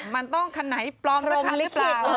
มันต้องคันไหนปลอมสักครั้งหรือเปล่า